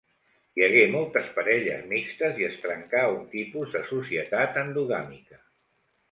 Hi hagué moltes parelles mixtes i es trencà un tipus de societat endogàmica.